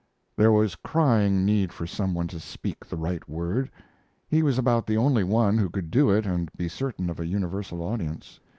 There was crying need for some one to speak the right word. He was about the only one who could do it and be certain of a universal audience.